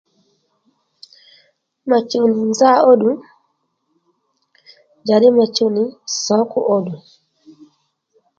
Ma chuw nì nza ó ddu njàddî ma chuw nì sǒkù ó ddù